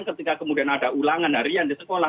ketika kemudian ada ulangan harian di sekolah